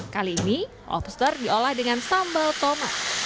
kali ini lobster diolah dengan sambal tomo